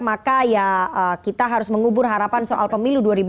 maka ya kita harus mengubur harapan soal pemilu dua ribu dua puluh